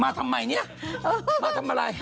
ทำไมเนี่ยมาทำอะไร